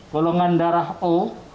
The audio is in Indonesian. golongan darah o